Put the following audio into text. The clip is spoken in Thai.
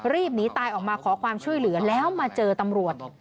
รีบหนีตายออกมาขอความช่วยเหลือแล้วมาเจอตำรวจ